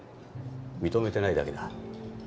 認めてないだけだ。